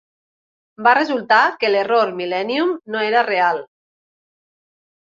Va resultar que l'error millennium no era real.